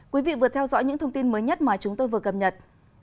quý vị vừa theo dõi những thông tin mới nhất mà chúng tôi vừa cập nhật